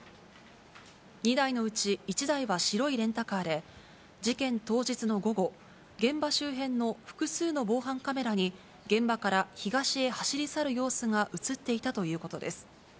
２台のうち１台は白いレンタカーで、事件当日の午後、現場周辺の複数の防犯カメラに、現場から東へ走り去る様子が写っていたということです。